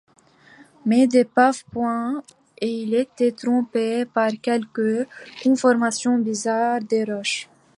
Mais d'épave, point, et ils étaient trompés par quelque conformation bizarre des roches.